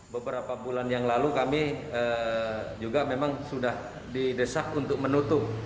beberapa bulan yang lalu kami juga memang sudah didesak untuk menutup